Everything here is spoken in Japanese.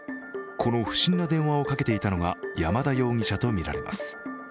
この不審な電話をかけていたのが山田容疑者とみられます。